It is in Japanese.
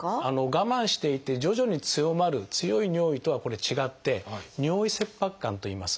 我慢していて徐々に強まる強い尿意とはこれ違って「尿意切迫感」といいます。